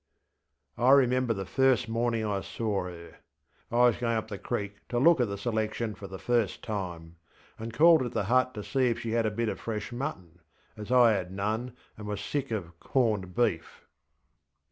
I remember the first morning I saw her. I was going up the creek to look at the selection for the first time, and called at the hut to see if she had a bit of fresh mutton, as I had none and was sick of ŌĆścorned beefŌĆÖ.